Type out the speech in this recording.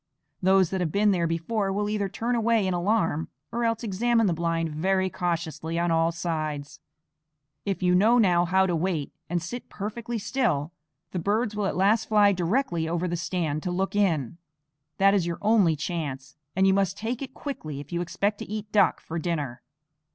Those that have been there before will either turn away in alarm, or else examine the blind very cautiously on all sides. If you know now how to wait and sit perfectly still, the birds will at last fly directly over the stand to look in. That is your only chance; and you must take it quickly if you expect to eat duck for dinner.